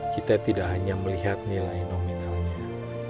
kita tidak hanya melihat nilai nominalnya